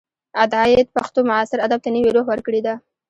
عطاييد پښتو معاصر ادب ته نوې روح ورکړې ده.